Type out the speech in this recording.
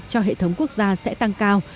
cho hệ thống quốc gia sẽ tăng cao